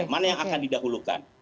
mana yang akan didahulukan